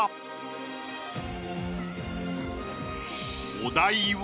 お題は。